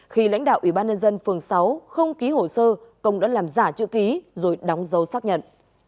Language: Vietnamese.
khi lãnh đạo ủy ban nhân dân phường sáu không ký hồ sơ công đã làm giả chữ ký rồi đóng dấu xác nhận